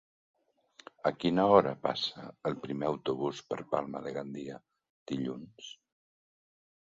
A quina hora passa el primer autobús per Palma de Gandia dilluns?